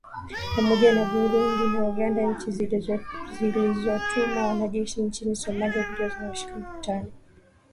pamoja na burundi na uganda nchi zilizotuma wanajeshi nchini somalia ndio wanaoshiriki mkutano huo